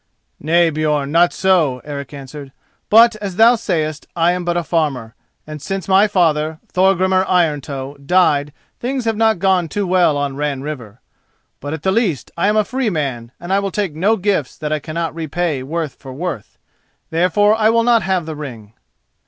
"Nay, Björn, not so," Eric answered: "but, as thou sayest, I am but a farmer, and since my father, Thorgrimur Iron Toe, died things have not gone too well on Ran River. But at the least I am a free man, and I will take no gifts that I cannot repay worth for worth. Therefore I will not have the ring."